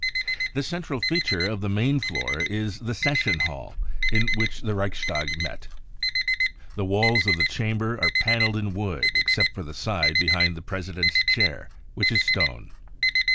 The central feature of the main floor is the session hall in which the Reichstag met. The walls of the chamber are panelled in wood, except for the side behind the President's chair, which is stone.